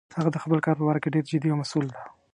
هغه د خپل کار په باره کې ډیر جدي او مسؤل ده